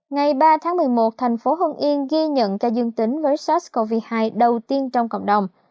ngày ba tháng một mươi một tp hân yên ghi nhận ca dương tính với sars cov hai đầu tiên trong cộng đồng